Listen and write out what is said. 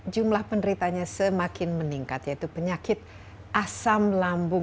jumlah penderitanya semakin meningkat yaitu penyakit asam lambung